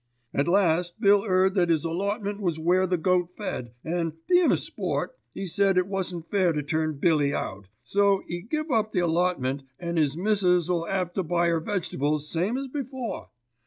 "At last Bill 'eard that 'is allotment was where the goat fed, an', bein' a sport, 'e said it wasn't fair to turn Billy out, so 'e give up the allotment and 'is missus 'll 'ave to buy 'er vegetables same as before."